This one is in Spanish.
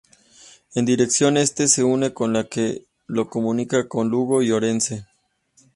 En dirección este se une con la que lo comunica con Lugo y Orense.